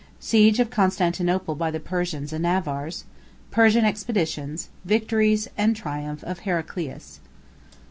—Siege Of Constantinople By The Persians And Avars.—Persian Expeditions.—Victories And Triumph Of Heraclius.